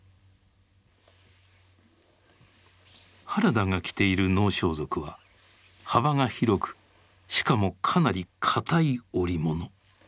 原田が着ている能装束は幅が広くしかもかなり硬い織物。